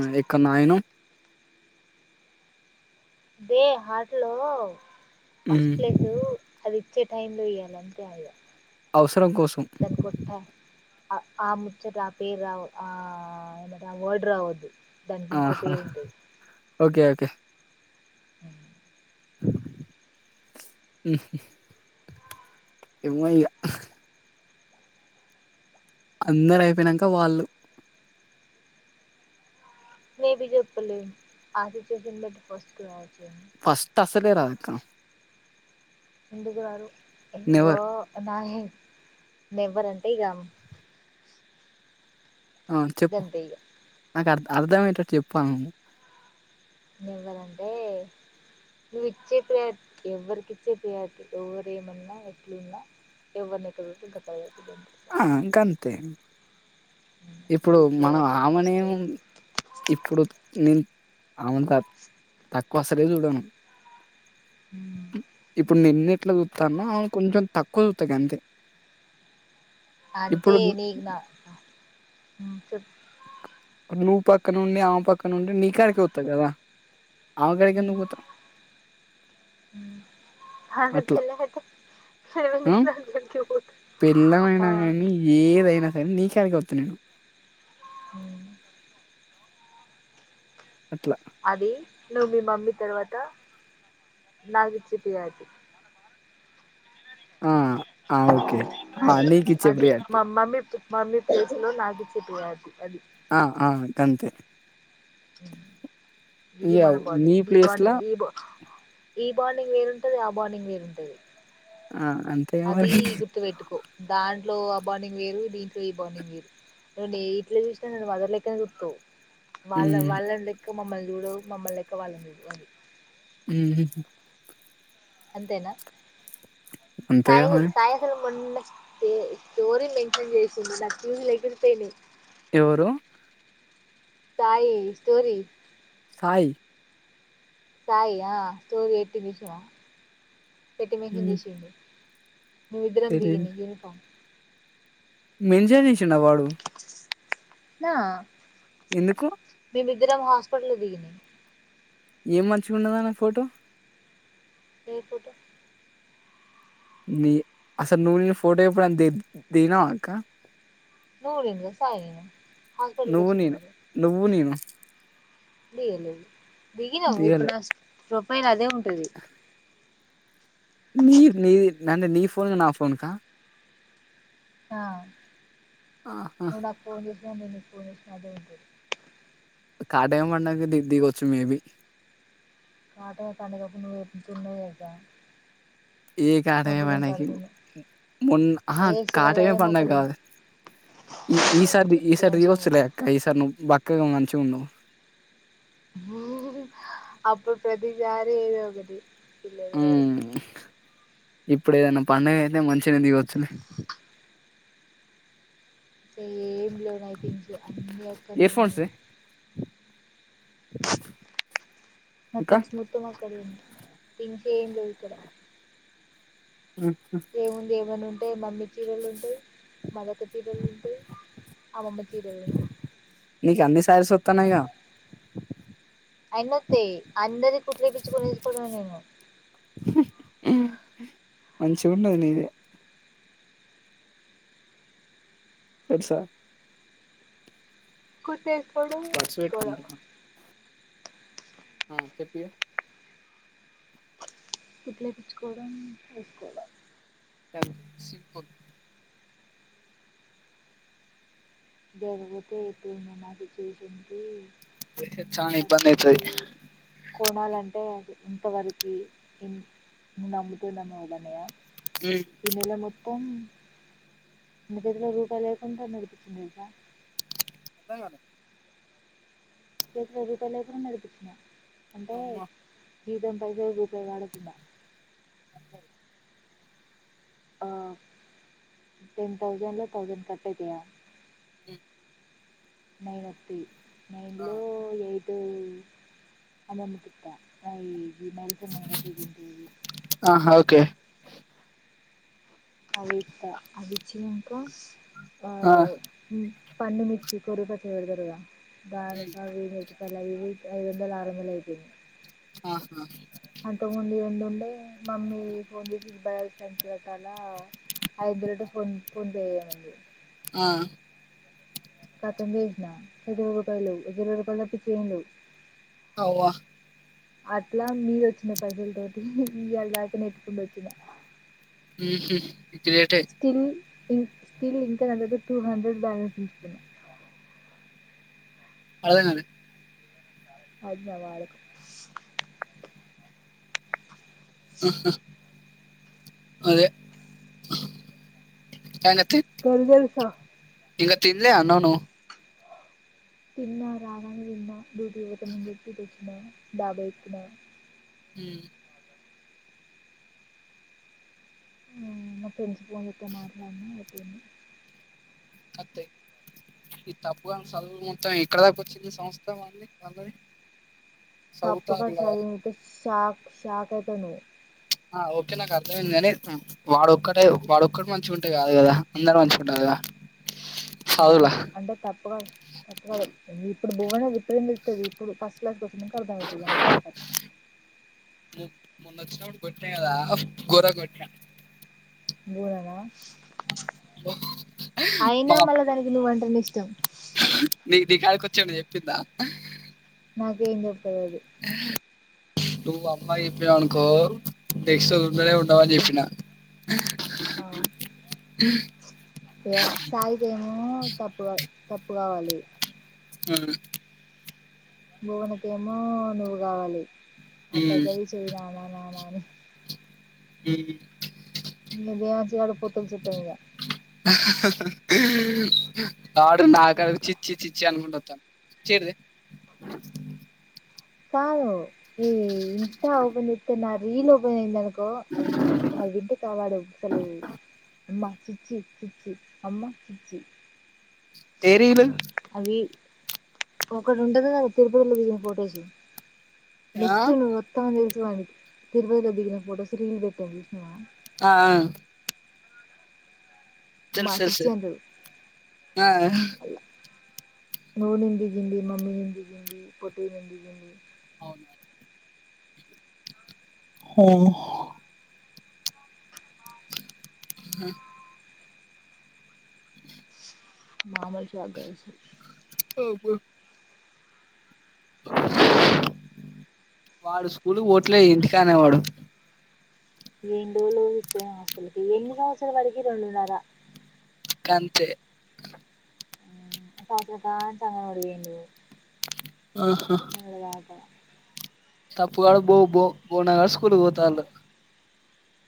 వి ఎక్కడ నాయనో బే హాటల్ ఫస్ట్ ప్లేస్ అది ఇచ్చే టైంలో ఇయాల అంతే హాయిగా అవసరం కోసం ఆ ముచ్చట ఆ పేరు రావ ఆ ఏంటే ఆ వర్డ్ రావద్దు దానికి ఇంకో ఆహా పేరు ఉంటది ఓకే ఓకే ఆ ఉహు ఏమో ఇగ అందరు అయిపోయినాక వాళ్ళు ఏది చెప్పలేదు ఆదిత్య కిందటి ఫస్ట్ కావచ్చుగా ఫస్ట్ అసలే రావ్ ఇంకా ఎందుకు రారు అందుకో నెవర్ రలేదు ఎవ్వరంటే ఇగ అవును చెప్పు గంతే ఇగ నాకు అర్ అర్ధమయ్యటట్టు చెప్పాలి నువు ఎవ్వాలంటే నువ్వు ఇచ్చే ప్రయాటి ఎవ్వరికి ఇచ్చే ప్రియాతి ఎవర ఏమన్నా ఎట్లు ఉన్నా ఎవరు లెక్కపెట్టే ఇంకా కప్ప ఆ గంతే చాలు ఇప్పుడు ఈ మనం ప్రియారిటీ ఆమెనే ఫస్ట్ ఇప్పుడు నెన్ అమెను తక్ తక్కువసలే చూడను ఇప్పుడు నిన్నే ఎట్లా చూతానో ఆమెను కొంచెం తక్కువ చూస్తా గంతే అంటే ఇప్పుడు ను- నీకు నా ఉ చెప్పు నువ్వు పక్కన ఉండి ఆమె పక్కన ఉండి నీ కాడికే వత్త కదా ఆమె కాడికి ఎందుకు పోతారు ఉ ఆఖరికి అట్లా కింద పడితే ఆ తడమింట్ల ఆమె కాడికి పోతారు పెళ్ళాం అయినా కానీ ఏదైనా కానీ నీ కాడికే వత్తా నేను ఉ అట్లా అది నువ్వు మీ మమ్మీ తర్వాత నాకు ఇచ్చిత్ కాదు ఆ ఆ ఓకే ఆ అది నీకిచ్చే అది ప్రియారిటీ మ మమ్మీ పి మమ్మీ ప్లేస్ లో నాకు ఇచ్చేట్ కాదు అది ఆ ఆ గంతే ఇగ నీ [unintelligible] ప్లేస్ ల ఈ బాండిగ్ వేరుంటది ఆ బాండిగ్ వేరుంటది ఆ అంతేగా అది మరి గుర్తు పెట్టుకో దన్ ఇంట్లో ఆ బాండింగ్ వేరు దీంట్లో ఈ బాండింగ్ వేరు నే ఇంట్లో చూసినా నన్ను వదలలేక చూసావ్ వాళ్ల మ్మ్ వాళ్ల లెక్క మమ్మల్ చూడు మమ్మలెక్క వాళ్లని చూడు ఉమ్ హు అంతేనా అంతేగా మరి తయగుర్ [unintelligible] తే స్టోరీ మెన్షన్ చేసింది దానికి ప్యూజ్లు లైక్ ఎగిరిపోయినే ఎవ్వరూ సాయి స్టోరీ సాయి సాయి ఆ స్టోరీ ఎట్టి విషయము పెట్టి మెన్షన్ మ్మ్ చెసిందు మేమిద్దరం తెలీదు దిగింది యూనిఫామ్ మెన్షన్ చేసిండా వాడు నా ఎందుకు మేమిద్దరం హాస్పిటలో దిగినీ ఏం మంచూగున్నదానా ఫోటో ఏ ఫోటో నీ అసల్ నుగిన ఫోటో ఎప్పుడన్నా ది దిగినవా అక్క నువ్వు దిగు సాయి హాస్పిటల్ కి నువ్వు నేను వచ్చినప్పుడు నువ్వు నేను దిగలేదు దిగినవ్ ఇప్పుడు దిగలే నా స్ ప్రొఫైల్ అదే ఉంటది నీర్ నీ నన్ను నీ ఫోన్ నా ఫోన్ కా ఆ ఆహా నువ్వు నాక్ ఫోన్ చే నువ్వు నిన్న ఫోన్ చేసిన అదే ఉంటది కాట ఏమన్నా దిగొచ్చు మేబి ఆటో స్టాండ్ పెట్టి నువ్వు ఎక్కించుకునే గా ఏ కాటమే మనకి మొన్ ఆహా ఏ కాటమే శివాలయం పండగ ఓపెనింగ్ కాదు ఈ ఈ శివాలయం సాది ఓపెనింగ్ ఈసారి దేవం తీ శివనేత్ర వచ్చులే ఇక సారి నువ్వు బక్కగా మంచి ఉండవు అప్పు ప్రతిసారి ఏదో ఒకటి ఇళ్లది కాదు ఉమ్ కూడా ఇప్పుడు ఏదన్నా పండుగ అయితే మంచిగా దిగొచ్చులే ఏం లేవ్ ఇయర్ ఫోన్స్ తీ [unintelligible] అక్క నథింగ్ మొత్తం వస్తది కదా నీకి ఇంకేం లేదు కదా ఉమ్, ఏముంది ఏమన్నా ఉంటే మమ్మీ చీరలు ఉంటే మాదక్క చీరలు ఉంటే అమ్మమ్మ చీరలు ఉంటాయి నీకు అన్ని సారీస్ వస్తన్నాయిగా ఆ ఎన్నత్తే అందరి కుట్లు ఇప్పించుకొని [unintelligible] హు మంచి ఉండది నీదే తెలుసా కుట్టేసుకోవడం ఖర్చు కూడా హు చెప్పు ఇగ కుట్లేపిచ్చుకోవడం వేసుకోవడం [unintelligible] జరిగితే ఎప్పుడైనా నాది చేసింది చానా ఇబ్బంది అయితది ప్రతిదీ కొనాలంటే అదే ఇంతవరకి ఇ నమ్ముతూ నమ్మే దానివా ఈ నెల మొత్ త్తం నా జేబులో రూపాయి లేకుండా నడిపించిన తెలుసా అర్థం కాలే చేతుల రూపాయి లేకున్నా నడిపించిన అంటే అమ్మా జీతం పైసలు రూపాయి వాడకుండా ఆ టెన్ థౌసండ్ల థౌసండ్ కట్ అయితయా ఉమ్, నైన్ ఒత్తయి నైన్ లో ఎయిట్ ట్ అమ్మమ్మ కిత్త ఆ [unintelligible] ఆహా ఓకే అవిత్త అవ్విచ్చినంక ఆ పండుమిర్చి కొరివి పచ్చడి పెడతరు కదా ఉమ్, దానికా ఇవి ఐదొందలో ఆరొందలు అయిపోయినయి ఆహా అంతకుముందు రెండు ఉండే మమ్మీ ఫోన్ చేసి [unintelligible] కట్టాలా హైబ్రిడ్ కొనుక్కొని చేయమంది ఆ కతం చేసిన నా దగ్గర రపాయ లేదు ఇరవై రూపాయలు తప్పిచ్చి ఏం లేవు అవ్వా అట్ల మీదొచ్చిన పైసలతోటి ఇయ్యాల దాక నెట్టుకుంట వచ్చిన ఉహ్మ్ గ్రేట్ ఏ స్టిల్ ఇం స్టిల్ ఇంక నా దగ్గర టూ హండ్రెడ్ బ్యాలెన్స్ ఉంచుకున్న అర్ధం కాలే అది నా వాడకం ఆహా అదే [unintelligible] తెలుసా ఇంక తిన్లే అన్నం నువ్వు? తిన్నా రాగానే తిన్నా డ్యూటీ కి పోతనని చెప్పి ఇటోచ్చినా డాబా ఎక్కినా ఉమ్ ఉమ్ మా ఫ్రెండ్స్ ఫోన్ చేస్తే మాట్లాడిన అయిపోయింది అత్తయి ఇది తప్పుగాని చదువు మొత్తం ఇక్కడదాక వచ్చింది సమస్తం వాళ్ళది తప్పు గాని చదువుతారులా చదువు చూస్తే షాక్ షాక్ అయితవు నువ్వు ఆ ఓకే నాకు అర్థమైంది కాని వాడొక్కటే వాడొక్కడు మంచిగ ఉంటే కాదు కదా అందరు మంచిగ ఉండాలె కదా దా ఆ అంటే తప్పుగాడు తప్పుగాడు ఇప్పుడు బువన చెప్పి ఏం చెత్తది ఇప్పుడు ఫస్ట్ క్లాస్కి ఒచ్చినంక అర్థమయితది అమ్మగారి కథ మొన్న ఒచ్చినప్పుడు కొట్టిన కదా ఘోరంగా కొట్టిన బవననా అయినా మా మళ్ళ దానికి నువ్వంటేనే ఇష్టం నీ నీకాడీకి వచ్చి ఏమన్న చెప్పిందా నాకేం చెప్పలేదు నువ్వు అమ్మకు చెప్పినవనుకో నెక్స్ట్ రోజు ఉండనే ఉండవు అని చెప్పినా ఆ ఇగ సాయికేమో తప్పుగాడు తప్పు కావాలి ఆ భువనకేమో నువ్వు కావాలి అప్పటికది చేయి మామా మామా అని ఏ ఇంగ దేవాన్ష్ గాడు పొత్తుల చుట్టం ఇగ వాడు నాకాడికి చిచ్చి చిచ్చి అనుకుంట వత్తాండు చైర్ తే కాదు ఈ ఇన్స్టా ఓపెన్ చెత్తే నా రీల్ ఓపెన్ అయిందనుకో కో అవవింటి కావాడు అవ్తలేవ్ అమ్మా పిచ్చి పిచ్చి అమ్మా పిచ్చి ఏ రీలు ఒకటుంటది కదా తిరుపతిలో దిగిన ఫొటోసు ఆ నెక్స్ట్ నువ్వొత్తావ్ అని తెలుసు వాడికి తిరుపతిలో దిగిన ఫొటోస్ రిల్ పెట్టామ్ చుసావా ఆ అమ్మ తెలుసు తెలుసు చిచ్చి అంటడు ఆ నువ్వు నేను దిగింది మమ్మీ నేను దిగింది పొట్టి నేను దిగింది అవునా హూ హ మామూలు షాక్ కాద్ అసలు అబ్బో వాడు స్కూల్ కి పోవట్లే ఇంటికానే వాడు ఎన్ని రోజులు తిప్పినామో హాస్పిటల్‌కి ఎన్ని సంవత్సరాలు వాడికి రెండున్నర అంతే పసరు పాచ్చగా ఎరిగిండు మల్ల బాట తప్పుగా బొ బొ బోనాగా స్కూల్‌కి పోతాళు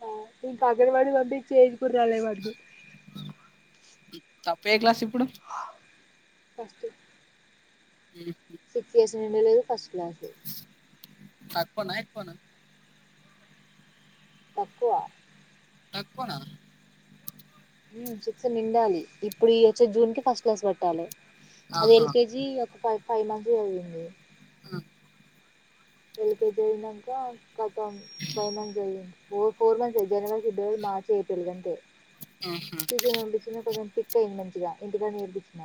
ఆ ఇంకా అంగన్వాడికి పంపించే ఎజ్ కూడా రాలేవాడికి తప్పే ఎక్లాస్ ఇప్పుడు ఫస్ట్ సిక్స్ ఇయర్స్ నిండ లేదు ఫస్ట్ క్లాస్సు తక్కువనా ఎక్కువనా తక్కువ తక్కువనా హ్మ్ సిక్స్ నిండాలి ఇప్పుడు ఈ ఓచ్చే జూన్ కి ఫస్ట్ క్లాస్ పట్టాలే అది ఆహా ఎల్కేజీ ఒక ఫైవ్ ఫైవ్ మంత్స్ చదివింది అ ఎల్కేజీ అయినంక కతం ఫైవ్ మంత్స్ చదివింది ఫోర్ ఫోర్ మంత్స్ చదివి జనవరి ఫిబ్రవరి మా మార్చ్ ఏప్రిల్ గంతే ట్యూషన్ కి పంపించిన కొంచం పిక్ అయింది మంచిగా ఇంటికాడ నేర్పించిన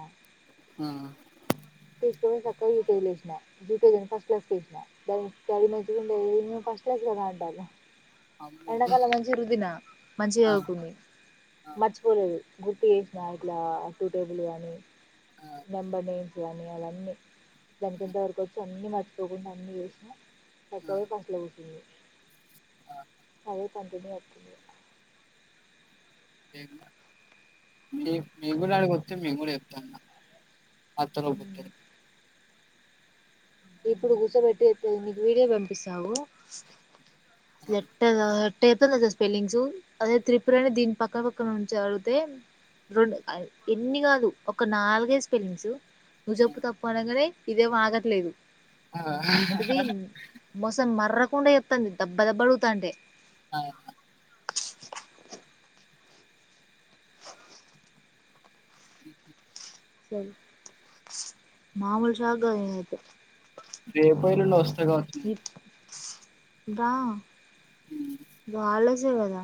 ఉమ్ తీసుకొపోయి సక్కగా యూకేజీ లో ఏసిన జిదేవిని ఫస్ట్ క్లాస్‌కి ఏసిన బై ఇన్స్టాల్ నుంచి కూడా ఏం ఫస్ట్ క్లాస్ లో బాంటాది అమ్మో ఎండాకాలం మంచిగా రుద్దినా మంచిగా ఆ చదువుకుంది ఆ మర్చిపోలేదు గుర్తు చేసినా ఇట్లా టూ టేబుల్ కాని ఆ నెంబర్ నేమ్ అని అలన్నీ దానికి ఎంత వరకు వచ్చో అన్ని మర్చిపోకుండా అన్ని చేసినా ఆ సక్కగా పోయి ఫిస్ట్ లో కూర్చుంది అదే కంటిన్యూ అయితుంది ఇగ ఏంలా మేం మేంగూడా ఆడికొస్తే మేము కూడా చెప్తాన్నా అత్తలో బుత్తరో ఇప్పుడు గుసబెట్టి చెప్పేదేందుకు నీకు వీడియో పంపిస్తా ఆగు నెట్ గా టెతోదాన స్పెల్లింగ్సు అదే త్రిపురని దీని పక్క పక్క నుంచి అడిగితే రెండు ఎన్ని కాదు ఒక నాలుగే స్పెల్లింగ్ సు ను జెప్పు తప్పు అనంగానే ఇదేమో ఆగట్లేదు ఏంటది మోసం మర్రకుండా చెప్తుంది దబ్బ దబ్బ అడుగుతాంటే అవునా మ్ సరే మామూలు షాక్ కాదు నేనైతే రేపో ఎల్లుండో వస్తాయి కావచ్చు మా దా నేను ఇపు హాలీడేసే కదా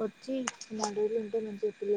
వచ్చి మాడు రోజులు ఉంటే మంచి